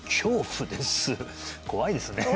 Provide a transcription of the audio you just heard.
怖いですね